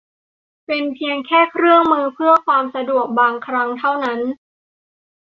เป็นได้เพียงแค่เครื่องมือเพื่อความสะดวกบางครั้งเท่านั้น